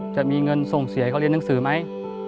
จะมีเงินส่งเสียเขาเรียนหนังสือไหม